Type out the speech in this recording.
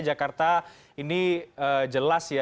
jakarta ini jelas ya